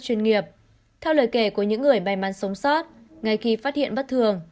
chuyên nghiệp theo lời kể của những người may mắn sống sót ngay khi phát hiện bất thường